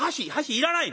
いらない。